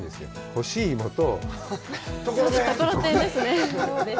干し芋と。